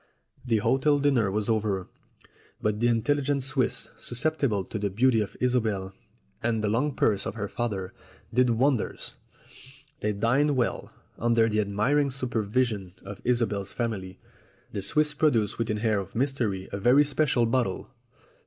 The hotel dinner was over, but the intelligent Swiss, susceptible to the beauty of Isobel and the long purse of her father, did wonders. They dined well, under the admiring supervision of Isobel's family. The Swiss produced with an air of mystery a very special bottle.